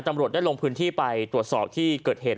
ตำรวจได้ลงพื้นที่ไปตรวจสอบที่เกิดเหตุ